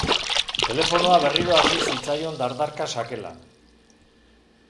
Telefonoa berriro hasi zitzaion dardarka sakelan.